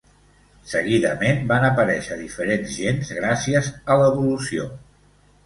Seguidament, van aparèixer diferents gens gràcies a l'evolució.